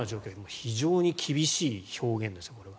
非常に厳しい表現です。